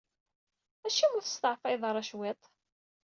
Acimi ur testeɛfayeḍ ara cwiṭ?